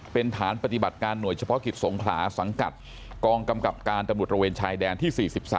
เป็นฐานปฏิบัติการหน่วยเฉพาะกิจสงขลาสังกัดกองกำกับการตำรวจระเวนชายแดนที่๔๓